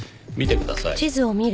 見てください。